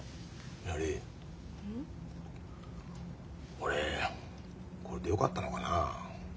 俺これでよかったのかな？